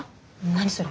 何それ？